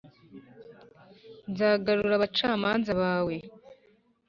Nzagarura abacamanza bawe